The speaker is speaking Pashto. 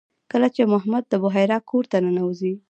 کله چې محمد د بحیرا کور ته ننوځي.